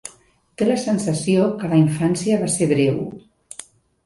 Té la sensació que la infància va ser breu.